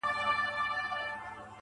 پرېښودلای خو يې نسم.